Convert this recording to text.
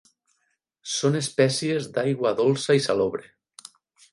Són espècies d'aigua dolça i salobre.